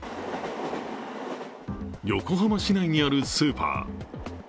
横浜市内にあるスーパー。